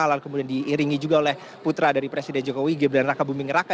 lalu kemudian diiringi juga oleh putra dari presiden jokowi gibran raka buming raka